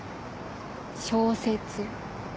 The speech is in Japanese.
小説。